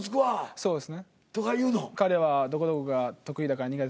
そうですね。